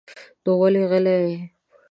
نو ولې غلی يې؟